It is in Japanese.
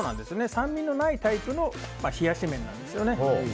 酸味のないタイプの冷やし麺なんですよね。